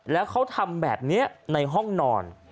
แล้วเขาทำแบบนี้ในห้องนอน